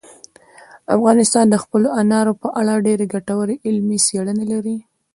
افغانستان د خپلو انارو په اړه ډېرې ګټورې علمي څېړنې لري.